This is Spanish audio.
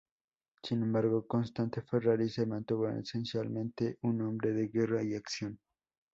Sin embargo, Constante Ferrari se mantuvo esencialmente un hombre de guerra y acción.